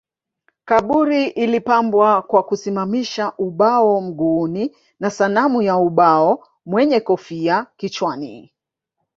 Kaburi ilipambwa kwa kusimamisha ubao mguuni na sanamu ya ubao mwenye kofia kichwani